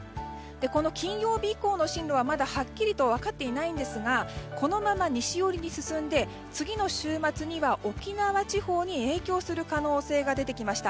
この金曜日以降の進路はまだはっきり分かっていませんがこのまま西寄りに進んで次の週末には沖縄地方に影響する可能性が出てきました。